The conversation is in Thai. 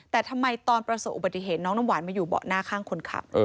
แต่ทำไมตอนประสบอุบัติเหตุน้องน้ำหวานมาอยู่เบาะหน้าข้างคนขับ